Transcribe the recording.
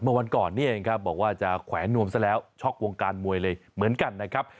เมื่อวันก่อนนี่เองครับบอกว่าจะแขวนนวมซะแล้วช็อกวงการมวยเลยเหมือนกันนะครับ